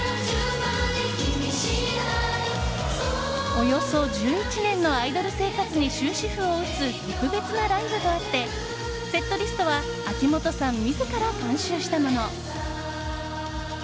およそ１１年のアイドル生活に終止符を打つ特別なライブとあってセットリストは秋元さん自ら監修したもの。